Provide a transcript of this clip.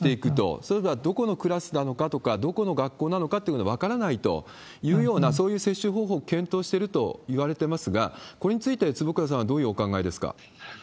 それだと、どこのクラスなのかとか、どこの学校なのかっていうことが分からないというような、そういう接種方法を検討していると言われてますが、これについては坪倉さんはどういうお考えですか？